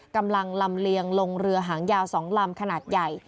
กำลังลำเลียงลงเรือหางยาว๒ลำขนาดใหญ่